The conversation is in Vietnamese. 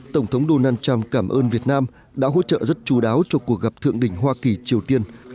tổng thống donald trump cảm ơn việt nam đã hỗ trợ rất chú đáo cho cuộc gặp thượng đỉnh hoa kỳ triều tiên